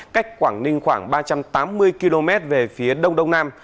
cách quảng ninh khoảng ba trăm tám mươi km về phía đông đông nam